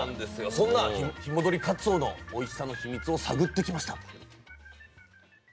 そんな日戻りかつおのおいしさの秘密を探ってきました。